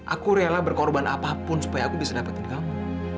aku rela berkorban apapun supaya aku bisa dapetin kamu